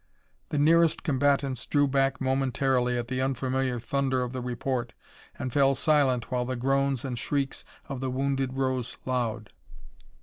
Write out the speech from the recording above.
The nearest combatants drew back momentarily at the unfamiliar thunder of the report and fell silent while the groans and shrieks of the wounded rose loud.